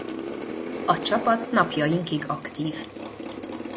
A csapat napjainkig aktív.